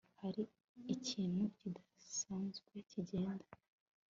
Hariho ikintu kidasanzwe kigenda